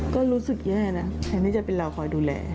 ก็รู้สึกแย่นะแทนที่จะเป็นเราคอยดูแล